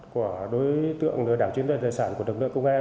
của đối tượng lừa đảo chiến đoàn tài sản của lực lượng công an